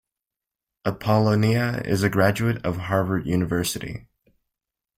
Apollonia is a graduate of Harvard University.